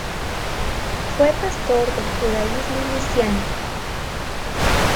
Fue pastor del judaísmo mesiánico.